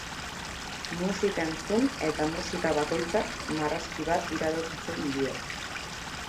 Musika entzun eta musika bakoitzak marrazki bat iradokitzen dio.